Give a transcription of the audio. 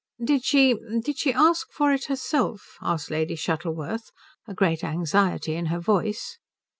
"Did she did she ask for it herself?" asked Lady Shuttleworth, a great anxiety in her voice.